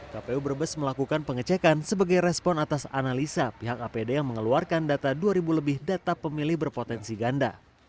kpu brebes melakukan pengecekan sebagai respon atas analisa pihak apd yang mengeluarkan data dua ribu lebih data pemilih berpotensi ganda